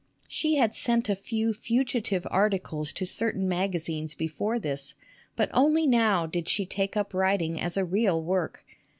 She had sent a few fugitive articles to certain magazines before this, but only now did she take up writing as a real work.